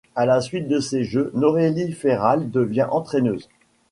À la suite de ces Jeux, Neroli Fairhall devient entraîneuse.